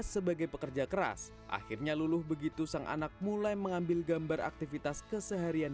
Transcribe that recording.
sebagai pekerja keras akhirnya luluh begitu sang anak mulai mengambil gambar aktivitas keseharian